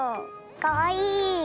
かわいい。